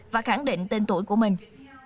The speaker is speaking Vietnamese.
và khẳng định tên tuổi của mình